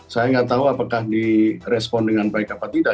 saya nggak tahu apakah direspon dengan baik apa tidak